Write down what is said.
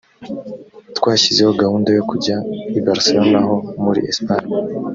twashyizeho gahunda yo kujya i barcelone ho muri esipanye